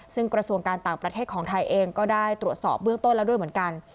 ซึ่งกระทรวงการต่างประเทศของไทยเองก็ได้ตรวจสอบเบื้องต้นแล้วด้วยเหมือนกัน